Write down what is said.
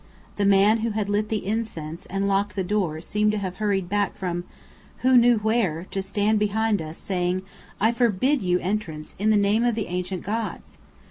The man who had lit the incense and locked the door seemed to have hurried back from who knew where? to stand behind us, saying "I forbid you entrance, in the name of the ancient gods!"